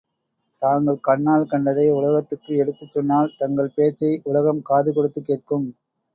தாங்கள் கண்ணால் கண்டதை உலகத்துக்கு எடுத்துச் சொன்னால், தங்கள் பேச்சை உலகம் காது கொடுத்துக் கேட்கும்.